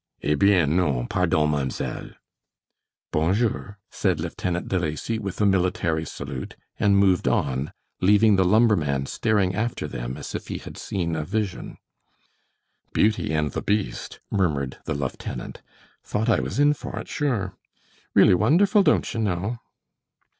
"Eh bien! Non! Pardon, Mams'elle." "Bon jour," said Lieutenant De Lacy, with a military salute, and moved on, leaving the lumberman staring after them as if he had seen a vision. "Beauty and the Beast," murmured the lieutenant. "Thought I was in for it, sure. Really wonderful, don't you know!"